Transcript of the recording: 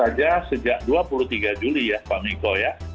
sejak dua puluh tiga juli ya pak miko ya